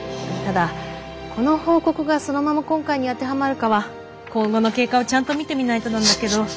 ただこの報告がそのまま今回に当てはまるかは今後の経過をちゃんと見てみないとなんだけど。